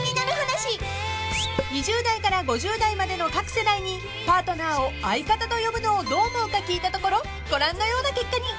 ［２０代から５０代までの各世代にパートナーを「相方」と呼ぶのをどう思うか聞いたところご覧のような結果に］